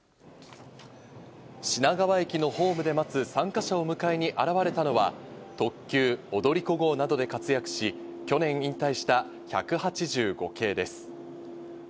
品川駅のホームで待つ参加者を迎えに現れたのは、特急踊り子号などで活躍し、去年引退した１８５系です。